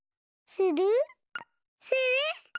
する？